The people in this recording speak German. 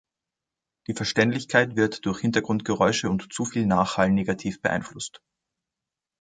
Die Verständlichkeit wird durch Hintergrundgeräusche und zu viel Nachhall negativ beeinflusst.